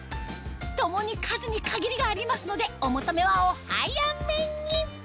共に数に限りがありますのでお求めはお早めに！